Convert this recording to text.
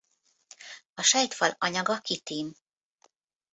A sejtfal anyaga kitin.